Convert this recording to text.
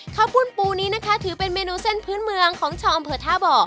ปุ้นปูนี้นะคะถือเป็นเมนูเส้นพื้นเมืองของชาวอำเภอท่าบ่อ